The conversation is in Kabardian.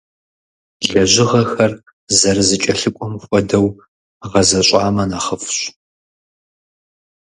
Лэжьыгъэхэр зэрызэкӏэлъыкӏуэм хуэдэу гъэзэщӏамэ нэхъыфӏщ.